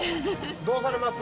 どうされます？